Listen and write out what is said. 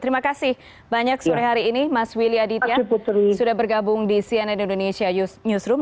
terima kasih banyak sore hari ini mas willy aditya sudah bergabung di cnn indonesia newsroom